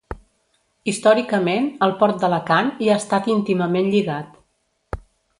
Històricament, el Port d'Alacant hi ha estat íntimament lligat.